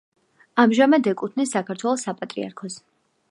ამჟამად ეკუთვნის საქართველოს საპატრიარქოს.